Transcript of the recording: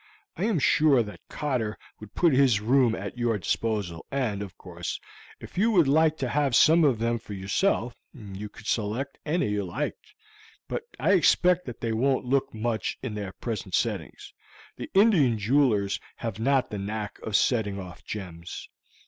I am sure that Cotter would put his room at your disposal, and, of course, if you would like to have some of them for yourself you could select any you liked, but I expect that they won't look much in their present settings; the Indian jewelers have not the knack of setting off gems.